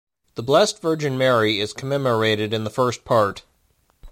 The Blessed Virgin Mary is commemorated in the first part.